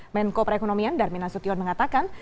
menko perekonomian darmin nasution mengatakan